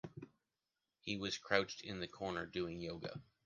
He was crouched in a corner doing yoga.